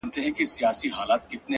خپـله گرانـه مړه مي په وجود كي ده،